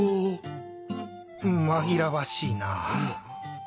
紛らわしいな。